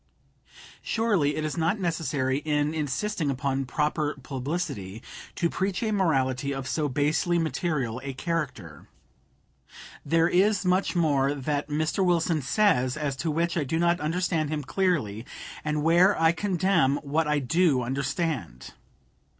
Surely it is not necessary, in insisting upon proper publicity, to preach a morality of so basely material a character. There is much more that Mr. Wilson says as to which I do not understand him clearly, and where I condemn what I do understand.